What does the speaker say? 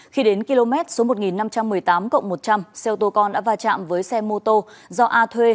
khi đến km số một nghìn năm trăm một mươi tám cộng một trăm linh xe ô tô con đã va chạm với xe mô tô do a thuê